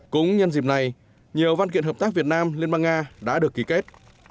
cũng nhân dịp này nhiều văn kiện hợp tác việt nam liên bang nga đã được ký kết